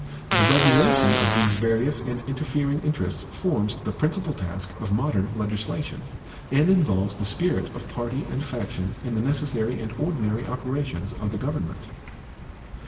The regulation of these various and interfering interests forms the principal task of modern legislation, and involves the spirit of party and faction in the necessary and ordinary operations of the government.